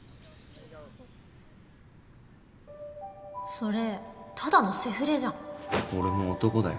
それただのセフレじゃん俺も男だよ。